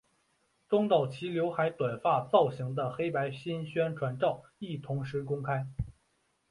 中岛齐浏海短发造型的黑白新宣传照亦同时公开。